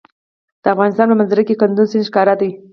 د افغانستان په منظره کې کندز سیند ښکاره دی.